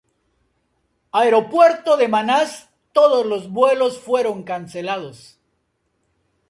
Aeropuerto de Manas todos los vuelos fueron cancelados.